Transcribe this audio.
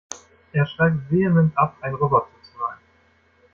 Er streitet vehement ab, ein Roboter zu sein.